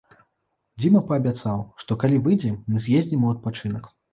Дзіма паабяцаў, што калі выйдзе, мы з'ездзім у адпачынак.